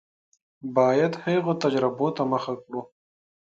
باید هغو تجربو ته مخه کړو.